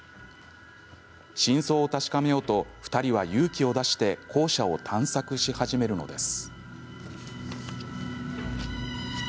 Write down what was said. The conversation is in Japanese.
真相を確かめようと２人は勇気を出して校舎を探索し始めるのです。